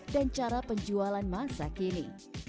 dan cara penjualan masa kini